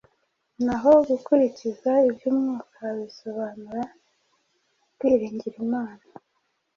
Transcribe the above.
naho gukurikiza iby’Umwuka bisobanura kwiringira Imana.